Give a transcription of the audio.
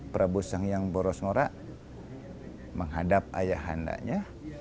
prabu sangyang boros ngorak menghadap ayahandanya